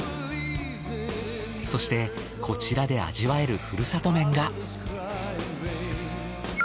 そしてこちらで味わえるふるさと麺が。